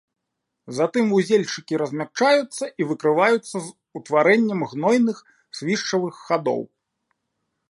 Затым вузельчыкі размякчаюцца і выкрываюцца з утварэннем гнойных свішчавых хадоў.